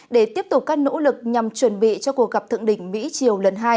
để tiếp tục các nỗ lực nhằm chuẩn bị cho cuộc gặp thượng đỉnh mỹ triều lần hai